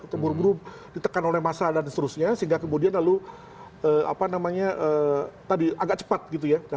terburu buru ditekan oleh massa dan seterusnya sehingga kemudian lalu apa namanya tadi agak cepat gitu ya